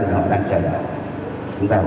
không để mà ai bất tích là chúng ta không tìm kiếm